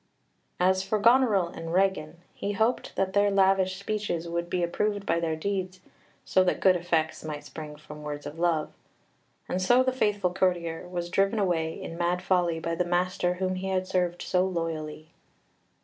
As for Goneril and Regan, he hoped that their lavish speeches would be approved by their deeds, so that good effects might spring from words of love. And so the faithful courtier was driven away in mad folly by the master whom he had served so loyally.